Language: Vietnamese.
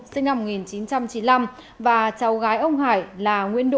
sinh năm một nghìn chín trăm chín mươi năm và cháu gái ông hải là nguyễn thị bắc